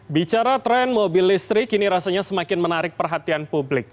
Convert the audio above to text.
bicara tren mobil listrik ini rasanya semakin menarik perhatian publik